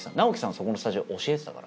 そこのスタジオ教えてたから。